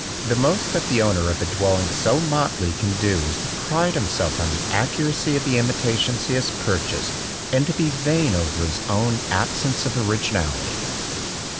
The most that the owner of a dwelling so motley can do is to pride himself on the accuracy of the imitations he has purchased and to be vain over his own absence of originality.